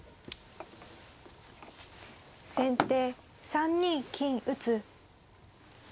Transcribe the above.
先手３二金打。